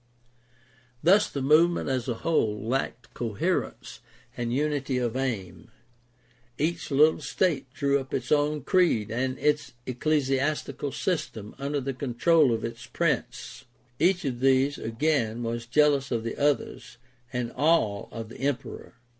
Thus the move ment as a whole lacked coherence and unity of aim. Each little state drew up its own creed and its ecclesiastical system under the control of its prince; each of these, again, was jealous of the others, and all of the emperor.